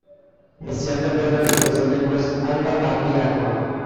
His younger brother was the linguist Elmer Bagby Atwood.